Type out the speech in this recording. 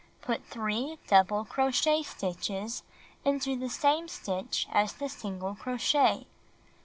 Put 3 double crocliet stitches into the same stitch as the single crochet.